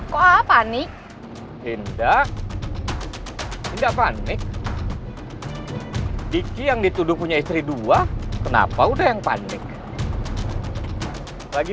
kok panik indah indah panik di yang dituduh punya istri dua kenapa udah yang panik lagi